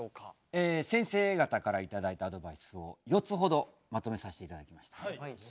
先生方から頂いたアドバイスを４つほどまとめさせて頂きました。